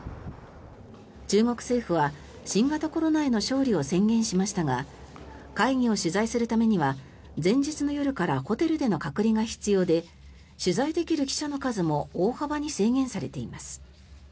中国政府は新型コロナへの勝利を宣言しましたが会議を取材するためには前日の夜からホテルでの隔離が必要で取材できる記者の数も大幅に制限されています。